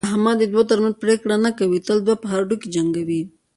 احمد د دوو ترمنځ پرېکړه نه کوي، تل دوه په هډوکي جنګوي.